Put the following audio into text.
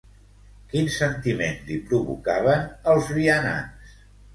Quin sentiment li provocaven els vianants?